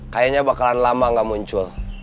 kayaknya bakalan lama gak muncul